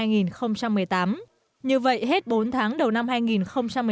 như vậy hết bốn tháng đầu năm hai nghìn một mươi chín